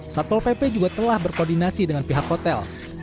satpol pp juga telah berkoordinasi dengan pihak hotel